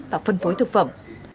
và phân phối thực phẩm